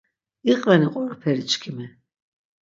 İqveni qoroperi çkimi?